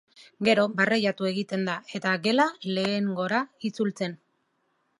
Gero, barreiatu egiten da, eta gela lehengora itzultzen.